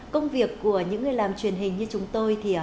công việc của những người làm truyền hình như chúng tôi